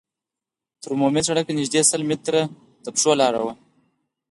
تر عمومي سړکه نږدې سل متره پلي لاړو.